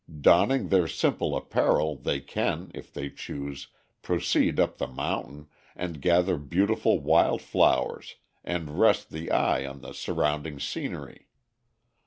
Donning their simple apparel, they can, if they choose, proceed up the mountain, and gather beautiful wild flowers and rest the eye on the surrounding scenery.